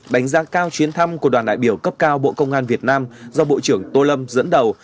đánh giá cao chuyến thăm của đoàn đại biểu cấp cao bộ công an việt nam do bộ trưởng tô lâm dẫn đầu